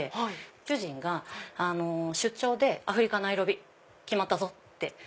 主人が出張で「アフリカナイロビ決まったぞ」。